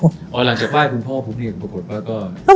อ๋อหลังจากป้ายคุณพ่อพรุ่งนี้ก็ปรากฏว่าก็